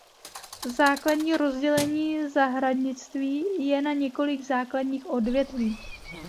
Základní rozdělení zahradnictví je na několik základních odvětví.